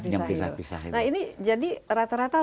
rumah yang pisah pisah nah ini jadi rata rata